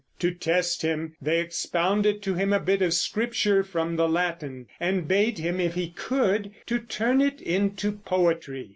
To test him they expounded to him a bit of Scripture from the Latin and bade him, if he could, to turn it into poetry.